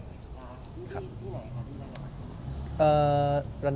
ที่ไหนเดี๋ยวเราได้บันได